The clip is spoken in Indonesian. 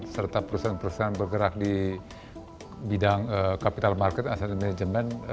serta perusahaan perusahaan bergerak di bidang capital market asal dan manajemen